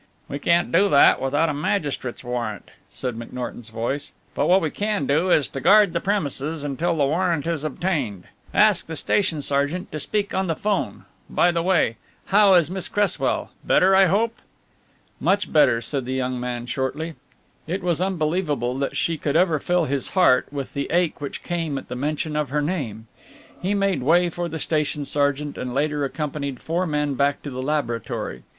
"We can't do that without a magistrate's warrant," said McNorton's voice, "but what we can do is to guard the premises until the warrant is obtained. Ask the station sergeant to speak on the 'phone by the way, how is Miss Cresswell, better, I hope?" "Much better," said the young man shortly. It was unbelievable that she could ever fill his heart with the ache which came at the mention of her name. He made way for the station sergeant and later accompanied four men back to the laboratory.